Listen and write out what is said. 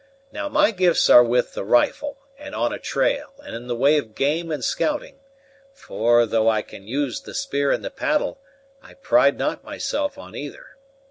Now, my gifts are with the rifle, and on a trail, and in the way of game and scouting; for, though I can use the spear and the paddle, I pride not myself on either.